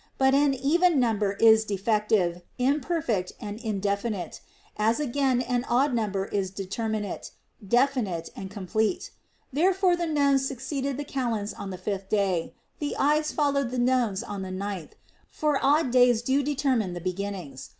But an even number is defective, imperfect, and indefinite ; as again an odd number is determinate, definite, and complete. There fore the Nones succeed the Kalends on the fifth day, the Ides follow the Nones on the ninth, for odd numbers do deter mine the beginnings.